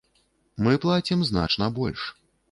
Мы плацім значна больш.